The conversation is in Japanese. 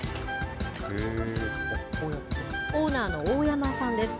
オーナーの大山さんです。